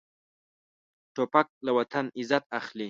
توپک له وطن عزت اخلي.